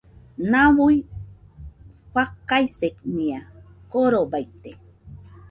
Nau fakaisenia korobaite